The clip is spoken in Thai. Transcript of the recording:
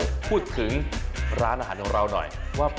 เอาล่ะเดินทางมาถึงในช่วงไฮไลท์ของตลอดกินในวันนี้แล้วนะครับ